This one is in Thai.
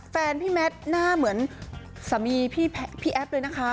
แฟนพี่แมทหน้าเหมือนสามีพี่แอฟเลยนะคะ